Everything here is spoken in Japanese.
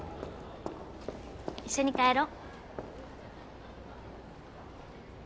一緒に帰ろ？